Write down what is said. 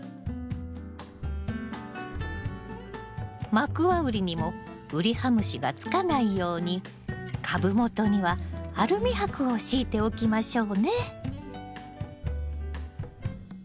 マクワウリにもウリハムシがつかないように株元にはアルミ箔を敷いておきましょうね。